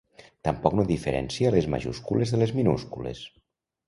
Tampoc no diferencia les majúscules de les minúscules.